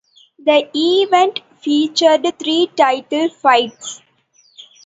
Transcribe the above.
The event featured three title fights.